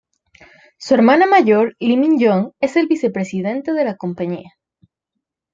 Su hermana mayor Lee Mi-kyung es el vicepresidente de la compañía.